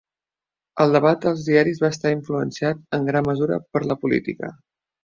El debat als diaris va estar influenciat, en gran mesura, per la política.